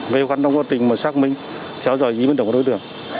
với hoạt động quá trình mà xác minh theo dõi ý minh đồng của đối tượng